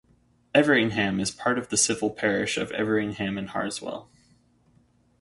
Everingham is part of the civil parish of Everingham and Harswell.